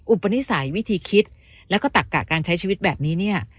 อุปนิสัยวิธีคิดแล้วก็ตักกะการใช้ชีวิตแบบนี้เนี่ย